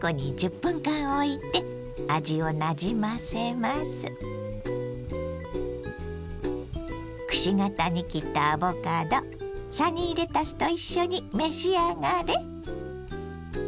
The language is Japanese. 冷蔵庫にくし形に切ったアボカドサニーレタスと一緒に召し上がれ。